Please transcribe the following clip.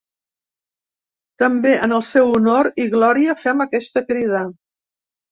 També en el seu honor i glòria fem aquesta crida.